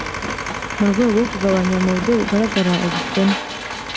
mu rwego rwo kugabanya mu buryo bugaragara ubukene